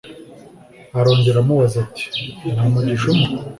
Arongera aramubaza ati “Nta mugisha umpa”